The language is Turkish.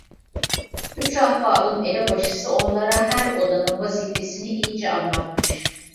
Üç ahbabın elebaşısı onlara her odanın vazifesini iyice anlatmış.